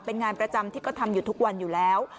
เป็นงานประจำที่ก็ทำอยู่ทุกวันอยู่แล้ว